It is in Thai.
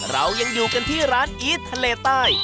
เรายังอยู่กันที่ร้านอีททะเลใต้